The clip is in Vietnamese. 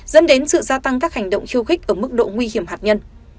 dẫn đến sự gia tăng các hành động khiêu khích ở mức độ nguy hiểm hạt nhân